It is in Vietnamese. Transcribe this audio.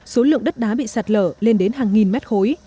số lượng đất đá bị sạt lở lên đến hàng nghìn mét khối